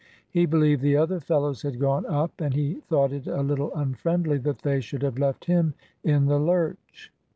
He believed the other fellows had gone up; and he thought it a little unfriendly that they should have left him in the lurch.